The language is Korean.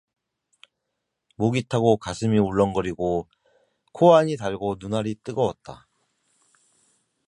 목이 타고 가슴이 울렁거리고 코 안이 달고 눈알이 뜨거웠다.